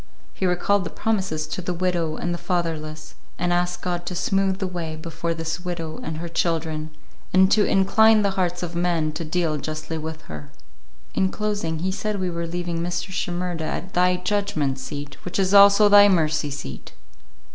He recalled the promises to the widow and the fatherless, and asked God to smooth the way before this widow and her children, and to "incline the hearts of men to deal justly with her." In closing, he said we were leaving Mr. Shimerda at "Thy judgment seat, which is also Thy mercy seat."